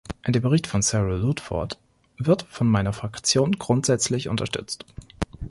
Der Bericht von Sarah Ludford wird von meiner Fraktion grundsätzlich unterstützt.